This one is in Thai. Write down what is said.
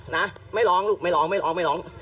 นะไม่ร้องลูกไม่ร้องไม่ร้องไม่ร้อง